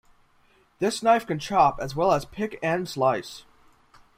This knife can chop as well as pick and slice.